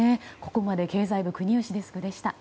ここまで経済部国吉デスクでした。